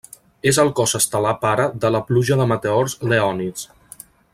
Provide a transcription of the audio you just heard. És el cos estel·lar pare de la pluja de meteors Leònids.